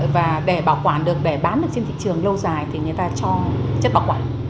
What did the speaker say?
và để bảo quản được để bán được trên thị trường lâu dài thì người ta cho chất bảo quản